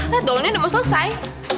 lihat daunnya udah mau selesai